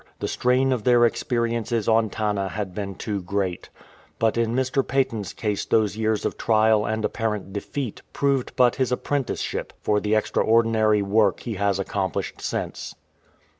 The strain of their experiences on Tanna had been too great. But in Mr. Paton's case those years of trial and apparent defeat proved but his apprenticeship for the extraordinary work he has accomplished since.